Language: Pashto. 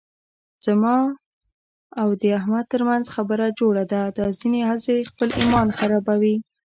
زما او د احمد ترمنځ خبره جوړه ده، دا ځنې هسې خپل ایمان خرابوي.